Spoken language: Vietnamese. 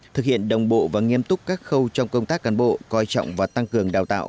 thực hiện đồng bộ và nghiêm túc các khâu trong công tác cán bộ coi trọng và tăng cường đào tạo